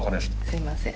すみません。